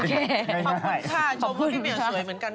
ขอบคุณค่ะชมพวกพี่เหมียสวยเหมือนกัน